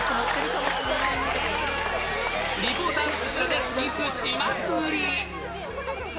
リポーターの後ろで、キスしまくり。